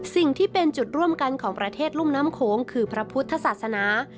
สิ่งที่เป็นจุดร่วมกันของประเทศรุ่มน้ำโขงคือพระพุทธศาสนา